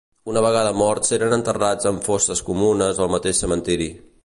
Una vegada morts eren enterrats en fosses comunes al mateix cementeri.